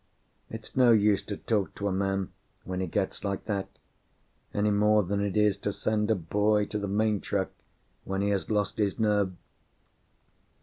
It's no use to talk to a man when he gets like that, any more than it is to send a boy to the main truck when he has lost his nerve.